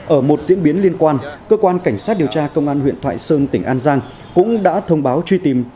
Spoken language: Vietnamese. ở một diễn biến liên quan cơ quan cảnh sát điều tra công an huyện thoại sơn tỉnh an giang cũng đã thông báo truy tìm